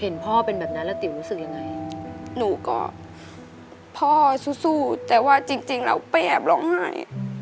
เห็นพ่อเป็นแบบนั้นแล้วติ๋วรู้สึกยังไงหนูก็พ่อสู้แต่ว่าจริงแล้วไปแอบร้องไห้